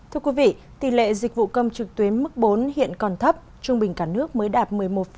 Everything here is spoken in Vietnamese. thưa quý vị tỷ lệ dịch vụ công trực tuyến mức bốn hiện còn thấp trung bình cả nước mới đạt một mươi một